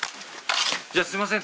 じゃすみません